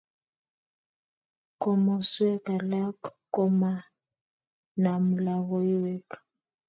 komosweek alak komanam logoiwek.